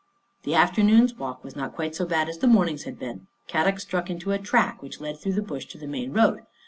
The afternoon's walk was not quite so bad as the morning's had been. Kadok struck into a track which led through the Bush to the main road.